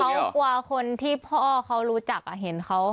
เขากลัวคนที่พ่อเขารู้จักเห็นเขา